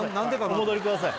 お戻りください